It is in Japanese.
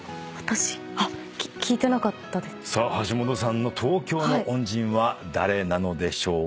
さあ橋本さんの東京の恩人は誰なのでしょうか？